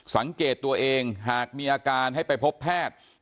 สังเกตตัวเองหากมีอาการให้ไปพบแพทย์